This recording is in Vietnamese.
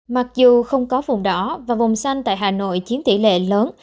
mặc dù không có vùng đỏ và vùng xanh tại hà nội chiếm tỷ lệ lớn